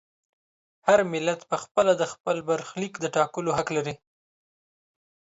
هر ملت په خپله د خپل برخلیک د ټاکلو حق لري.